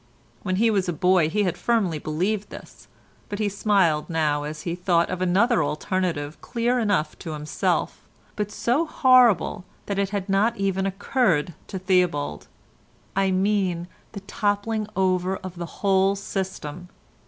When he was a boy he had firmly believed this, but he smiled now as he thought of another alternative clear enough to himself, but so horrible that it had not even occurred to Theobald—I mean the toppling over of the whole system.